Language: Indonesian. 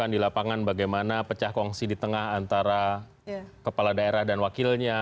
dimana pecah kongsi di tengah antara kepala daerah dan wakilnya